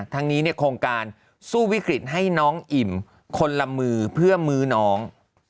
ทั้งนี้โครงการสู้วิกฤตให้น้องอิ่มคนละมือเพื่อมื้อน้อง